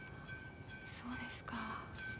そうですか。